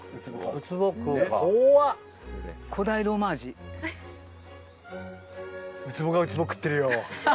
ウツボがウツボ食ってるよ。